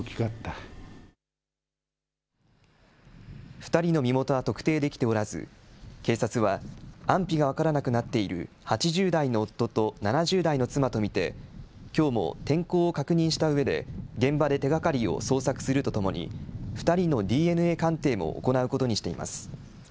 ２人の身元は特定できておらず、警察は安否が分からなくなっている８０代の夫と７０代の妻と見て、きょうも天候を確認したうえで現場で手がかりを捜索するとともに、２人のＤＮＡ鑑定も行うことにしています。